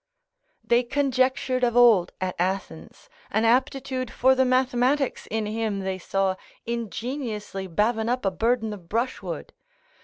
They conjectured of old at Athens, an aptitude for the mathematics in him they saw ingeniously bavin up a burthen of brushwood.